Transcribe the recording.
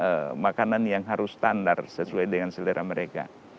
tidak butuh juga harus memakan makanan yang harus standar sesuai dengan selera mereka